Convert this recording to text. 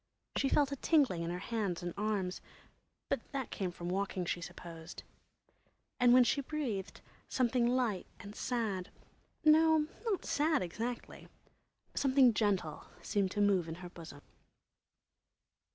She felt a tingling in her hands and arms, but that came from walking, she supposed. And when she breathed, something light and sad—no, not sad, exactly—something gentle seemed to move in her bosom.